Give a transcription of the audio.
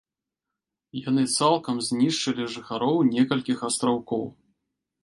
Яны цалкам знішчылі жыхароў некалькіх астраўкоў.